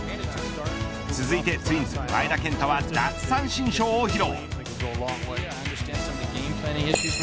続いてツインズ前田健太は奪三振ショーを披露。